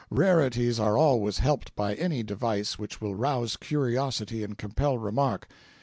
Rarities are always helped by any device which will rouse curiosity and compel remark.